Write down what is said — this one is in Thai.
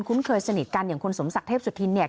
เคยสนิทกันอย่างคุณสมศักดิ์เทพสุธินเนี่ย